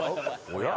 おや？